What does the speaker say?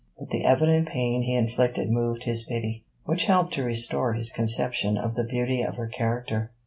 But the evident pain he inflicted moved his pity, which helped to restore his conception of the beauty of her character.